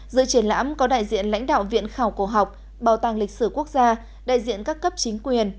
giữa triển lãm có đại diện lãnh đạo viện khảo cổ học bảo tàng lịch sử quốc gia đại diện các cấp chính quyền